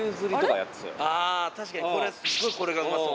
あ確かにすっごいこれがうまそう。